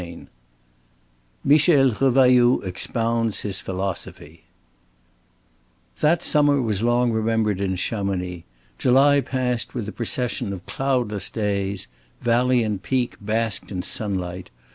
CHAPTER V MICHEL REVAILLOUD EXPOUNDS HIS PHILOSOPHY That summer was long remembered in Chamonix. July passed with a procession of cloudless days; valley and peak basked in sunlight.